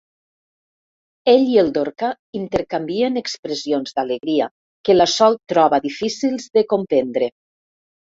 Ell i el Dorca intercanvien expressions d'alegria que la Sol troba difícils de comprendre.